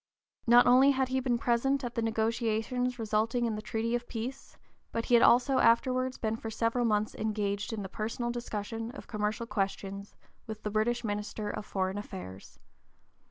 Not only had he been present at the negotiations resulting in the treaty of peace, but he had also afterwards been for several months engaged in the personal discussion of commercial questions with (p. 050) the British minister of foreign affairs.